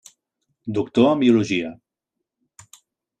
Doctor en biologia.